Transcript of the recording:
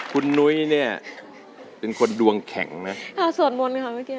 คุณนุ้ยเเนี่ยเป็นคนดวงแข่งนะ